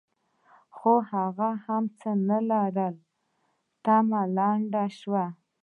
خو هغه هم څه نه لرل؛ تمه لنډه شوه.